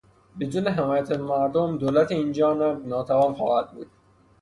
بدون حمایت مردم، دولت اینجانب ناتوان خواهد بود.